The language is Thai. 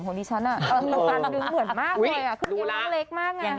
ของดิฉันน่ะตอนนี้เมื่อมากเลย